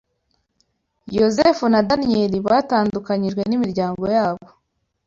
Yosefu na Daniyeli batandukanijwe n’imiryango yabo